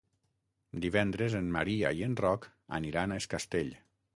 Divendres en Maria i en Roc aniran a Es Castell.